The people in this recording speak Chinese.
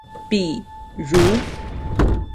比如